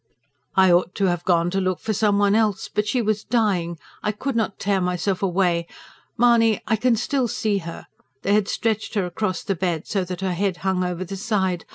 "I ought to have gone to look for someone else. But she was dying ... I could not tear myself away. Mahony, I can still see her. They had stretched her across the bed, so that her head hung over the side.